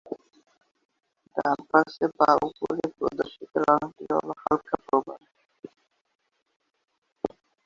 ডানপাশে বা উপরে প্রদর্শিত রঙটি হলো হালকা প্রবাল।